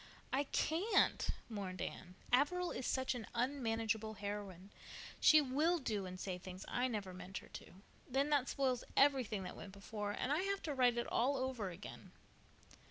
"I can't," mourned Anne. "Averil is such an unmanageable heroine. She will do and say things I never meant her to. Then that spoils everything that went before and I have to write it all over again."